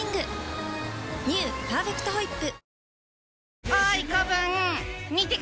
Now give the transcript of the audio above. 「パーフェクトホイップ」